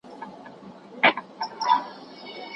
سجاد د هغې غوښتنه ومنله.